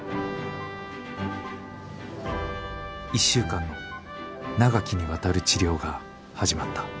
１週間の長きにわたる治療が始まった。